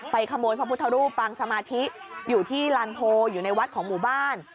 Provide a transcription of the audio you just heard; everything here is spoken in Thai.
ขโมยพระพุทธรูปปางสมาธิอยู่ที่ลานโพอยู่ในวัดของหมู่บ้าน